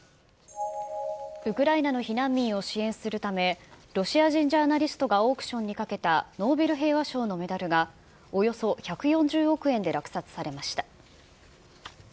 ウクライナの避難民を支援するため、ロシア人ジャーナリストがオークションにかけたノーベル平和賞のメダルが、およそ１４０億円で落札されました。